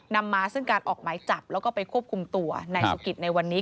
นำมาซึ่งการออกหมายจับแล้วก็ไปควบคุมตัวนายสุกิตในวันนี้